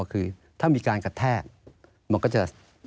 คือถ้ามีการกระแทกมันก็จะ